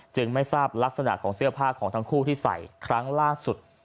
ไม่ทราบลักษณะของเสื้อผ้าของทั้งคู่ที่ใส่ครั้งล่าสุด